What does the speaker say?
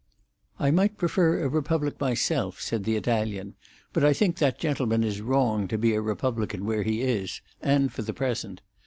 "I might prefer a republic myself," said the Italian, "but I think that gentleman is wrong to be a republican where he is, and for the present.